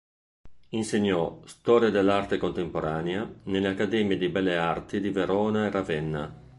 Insegnò "Storia dell'Arte contemporanea" nelle accademie di belle arti di Verona e Ravenna.